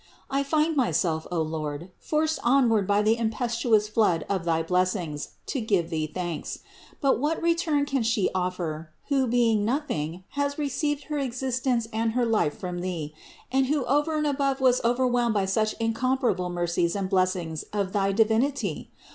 I find myself, O Lord, forced onward by the impetuous flood of thy blessings to give Thee thanks. But what return can she offer, who, being nothing, has received her existence and her life from Thee, and who over and above was overwhelmed by such incomparable mercies and blessings of thy Divinity